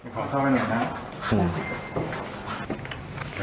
ขอเข้าให้หน่อยนะ